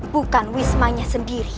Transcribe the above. bukan wismanya sendiri